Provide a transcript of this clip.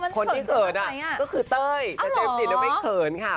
คนที่เขินอะก็คือเต้ยเจมซ์จินต์ก็ไม่เขินค่ะ